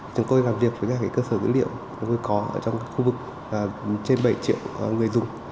chúng tôi làm việc với các cơ sở dữ liệu có trong khu vực trên bảy triệu người dùng